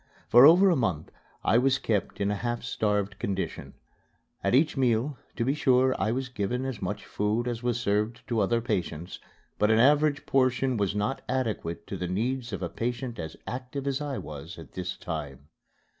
For over a month I was kept in a half starved condition. At each meal, to be sure, I was given as much food as was served to other patients, but an average portion was not adequate to the needs of a patient as active as I was at this time.